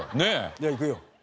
じゃあ行くよ。